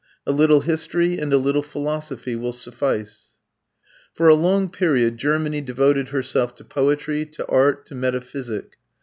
A little history, and a little philosophy, will suffice. For a long period Germany devoted herself to poetry, to art, to metaphysic.